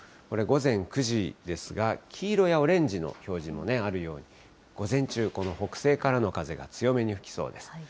これ、午前９時ですが、黄色やオレンジの表示もあるように、午前中、この北西からの風が強めに吹きそうです。